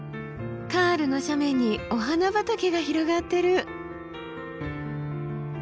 カールの斜面にお花畑が広がってる！